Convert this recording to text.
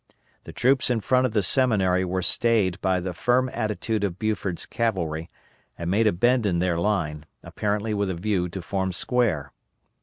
The troops in front of the Seminary were stayed by the firm attitude of Buford's cavalry, and made a bend in their line, apparently with a view to form square.